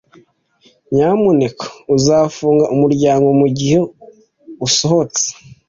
Nyamuneka uzafunga umuryango mugihe usohotse